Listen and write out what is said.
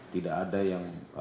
tidak ada yang